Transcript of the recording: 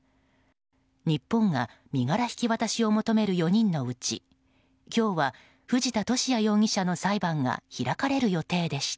日本が身柄引き渡しを求める４人のうち今日は、藤田聖也容疑者の裁判が開かれる予定でした。